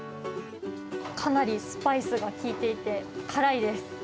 かなりスパイスが効いていて、辛いです。